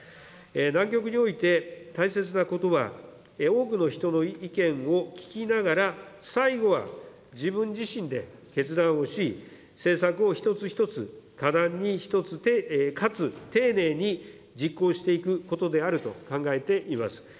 難局において大切なことは、多くの人の意見を聞きながら、最後は自分自身で決断をし、政策を一つ一つ、果断に、かつ丁寧に実行していくことであると考えています。